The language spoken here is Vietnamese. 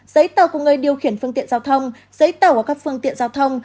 giấy tàu của người điều khiển phương tiện giao thông giấy tàu của các phương tiện giao thông